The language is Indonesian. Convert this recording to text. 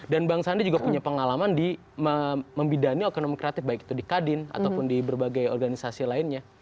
dan bang sandi juga punya pengalaman di membidani ekonomi kreatif baik itu di kadin ataupun di berbagai organisasi lainnya